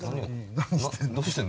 何してんの？